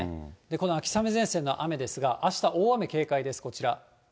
この秋雨前線の雨ですが、あした、大雨警戒です、こちら。